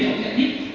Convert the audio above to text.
ông ấy giải thích